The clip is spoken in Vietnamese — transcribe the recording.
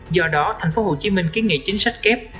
do đó thành phố hồ chí minh kiến nghị chính sách kép